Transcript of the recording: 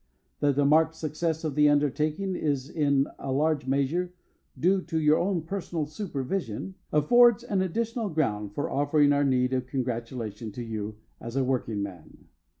That the marked success of the undertaking is in a large measure due to your own personal supervision affords an additional ground for offering our meed of congratulation to you as a workingman.